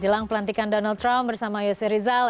jelang pelantikan donald trump bersama yose rizal